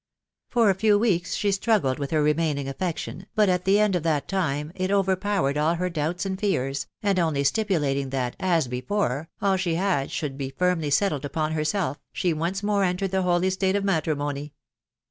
For a few weeks she struggled with her remaining affection, but at the end of that time it overpowered all her doubts and fears, and only stipulating that, as before, all she had should be firmly settled upon herself, she once more entered the holy state of matrimony.